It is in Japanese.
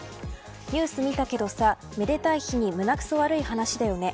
ニュース見たけどさめでたい日に胸くそ悪い話だよね